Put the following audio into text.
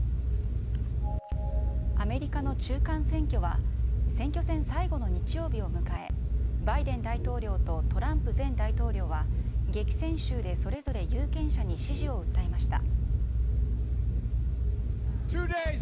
アメリカの中間選挙は、選挙戦最後の日曜日を迎え、バイデン大統領とトランプ前大統領は、激戦州でそれぞれ有権者に支持を訴えました。